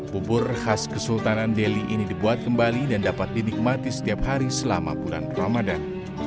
bubur khas kesultanan delhi ini dibuat kembali dan dapat dinikmati setiap hari selama bulan ramadan